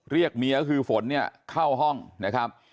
เรียกเมียก็คือฝนเนี่ยเข้าห้องนะครับ